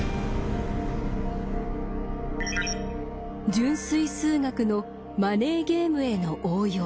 純粋数学のマネーゲームへの応用。